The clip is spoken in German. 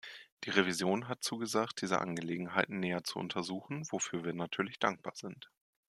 Die Revision hat zugesagt, diese Angelegenheit näher zu untersuchen, wofür wir natürlich dankbar sind.